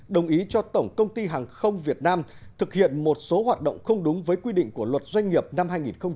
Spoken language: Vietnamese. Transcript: đồng ý cho tổng công ty hàng không việt nam thực hiện một số hoạt động không đúng với quy định của luật doanh nghiệp năm hai nghìn một mươi ba